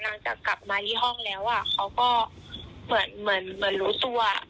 หลังจากกลับมาที่ห้องเขาก็เหมือนรู้ตัว